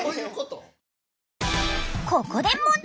ここで問題！